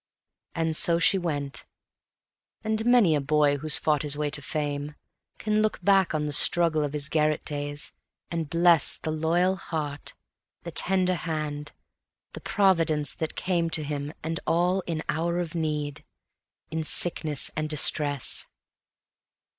And so she went, and many a boy who's fought his way to Fame, Can look back on the struggle of his garret days and bless The loyal heart, the tender hand, the Providence that came To him and all in hour of need, in sickness and distress.